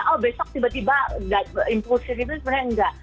oh besok tiba tiba impulsif itu sebenarnya enggak